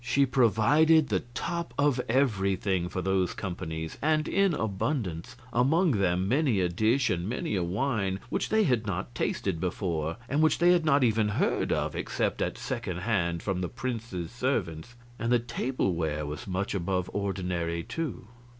She provided the top of everything for those companies, and in abundance among them many a dish and many a wine which they had not tasted before and which they had not even heard of except at second hand from the prince's servants. And the tableware was much above ordinary, too.